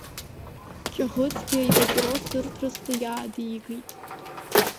Ҷаӷьыцгьы ипапирос ырҭрысны иаадигеит.